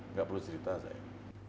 nggak perlu cerita saya